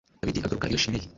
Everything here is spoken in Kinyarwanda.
Dawidi agaruka iwe Shimeyi